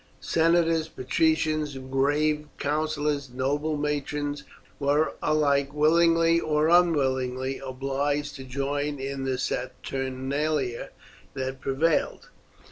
Senators, patricians, grave councillors, noble matrons were alike willingly or unwillingly obliged to join in the saturnalia that prevailed.